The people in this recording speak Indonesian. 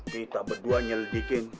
kita berdua nyelidikin